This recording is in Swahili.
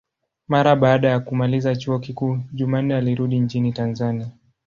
Mara baada ya kumaliza chuo kikuu, Jumanne alirudi nchini Tanzania.